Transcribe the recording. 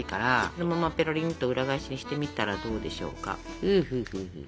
そのままぺろりんと裏返しにしてみたらどうでしょうか。